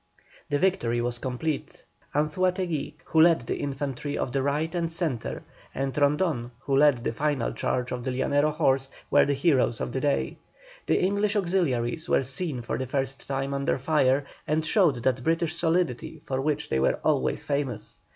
The victory was complete. Anzuátegui, who led the infantry of the right and centre, and Rondon, who led the final charge of the Llanero horse, were the heroes of the day. The English auxiliaries were seen for the first time under fire, and showed that British solidity for which they were always famous.